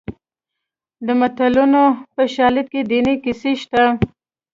د متلونو په شالید کې دیني کیسې شته